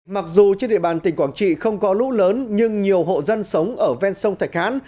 mặc dù trên địa bàn tỉnh quảng trị không có lũ lớn nhưng nhiều hộ dân sống ở ven sông thạch hãn